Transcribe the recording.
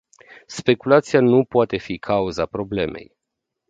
Speculația nu poate fi cauza problemei.